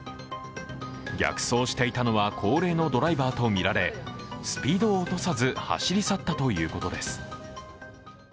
逆走していたのは高齢のドライバーとみられスピードを落とさず走り去ったということです。